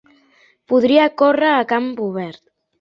Podria córrer a camp obert.